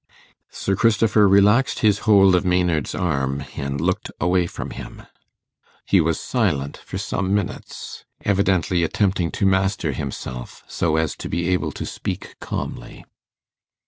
Sir Christopher relaxed his hold of Maynard's arm, and looked away from him. He was silent for some minutes, evidently attempting to master himself, so as to be able to speak calmly.